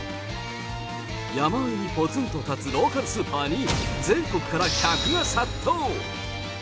山あいにぽつんと建つローカルスーパーに、全国から客が殺到。